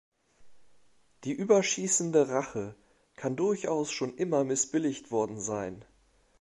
Die überschießende Rache kann durchaus schon immer missbilligt worden sein.